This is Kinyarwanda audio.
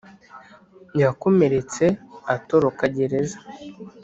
Yakomeretse atoroka gereza